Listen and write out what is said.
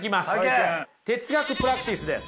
哲学プラクティスです。